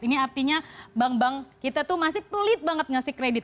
ini artinya bank bank kita tuh masih pelit banget ngasih kredit